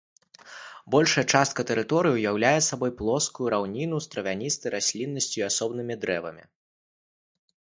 Большая частка тэрыторыі ўяўляе сабой плоскую раўніну з травяністай расліннасцю і асобнымі дрэвамі.